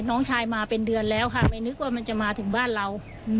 น้องชายมาเป็นเดือนแล้วค่ะไม่นึกว่ามันจะมาถึงบ้านเรา